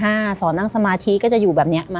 และยินดีต้อนรับทุกท่านเข้าสู่เดือนพฤษภาคมครับ